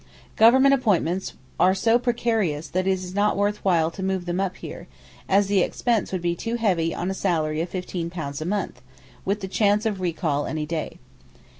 Government appointments are so precarious that it is not worth while to move them up here, as the expense would be too heavy on a salary of £15 a month, with the chance of recall any day.